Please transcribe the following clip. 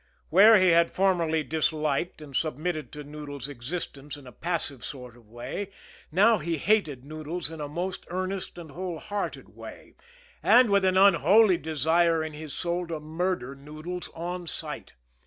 Where he had formerly disliked and submitted to Noodles' existence in a passive sort of way, he now hated Noodles in a most earnest and whole hearted way and with an unholy desire in his soul to murder Noodles on sight.